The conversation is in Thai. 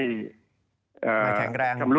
ไม่แข็งแรง